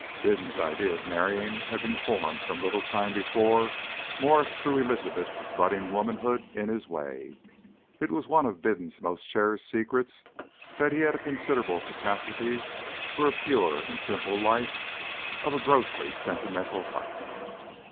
Bindon's idea of marrying had been formed some little time before Mwres threw Elizabeth's budding womanhood in his way. It was one of Bindon's most cherished secrets that he had a considerable capacity for a pure and simple life of a grossly sentimental type.